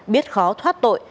biết khó thoát tội